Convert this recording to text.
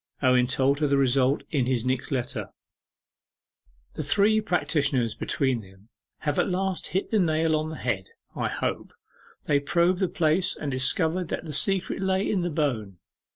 Owen told her the result in his next letter: 'The three practitioners between them have at last hit the nail on the head, I hope. They probed the place, and discovered that the secret lay in the bone.